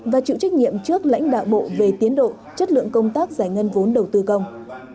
và chịu trách nhiệm trước lãnh đạo bộ về tiến độ chất lượng công tác giải ngân vốn đầu tư công